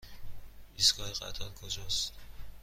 ایستگاه قطار کجاست؟